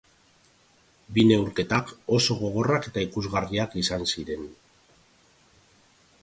Bi neurketak oso gogorrak eta ikusgarriak izan ziren.